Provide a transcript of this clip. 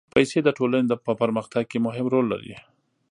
پېسې د ټولنې په پرمختګ کې مهم رول لري.